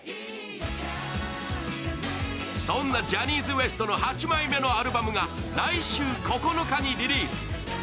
そんなジャニーズＷＥＳＴの８枚目のアルバムが来週９日にリリース。